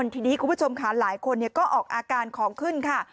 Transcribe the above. ทีนี้คุณผู้ชมค่ะหลายคนก็ออกอาการของขึ้นค่ะ